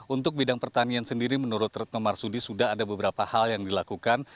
untuk bidang pertanian sendiri menurut retno marsudi sudah ada beberapa hal yang dilakukan